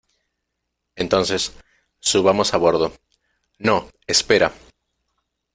Entonces, subamos a bordo. ¡ no , espera!